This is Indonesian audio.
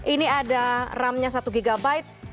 ini ada ram nya satu gb